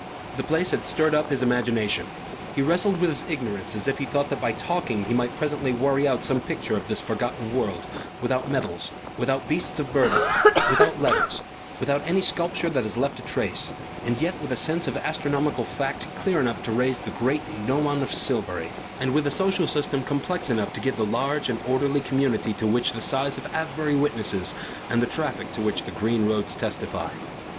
The place had stirred up his imagination. He wrestled with his ignorance as if he thought that by talking he might presently worry out some picture of this forgotten world, without metals, without beasts of burthen, without letters, without any sculpture that has left a trace, and yet with a sense of astronomical fact clear enough to raise the great gnomon of Silbury, and with a social system complex enough to give the large and orderly community to which the size of Avebury witnesses and the traffic to which the green roads testify.